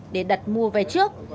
để đặt mua vé trước